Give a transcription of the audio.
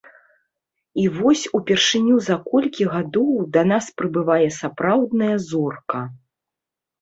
І вось упершыню за колькі гадоў да нас прыбывае сапраўдная зорка.